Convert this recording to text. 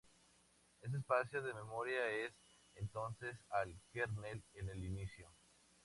Este espacio de memoria es entonces al kernel en el inicio.